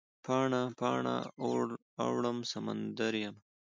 پاڼه، پاڼه اوړم سمندریمه